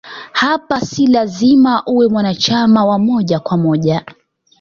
Hapa si lazima uwe mwanachama wa moja kwa moja